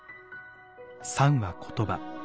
「賛」は言葉。